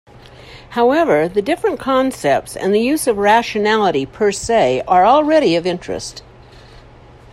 However, the different concepts and use of 'rationality' per se are already of interest.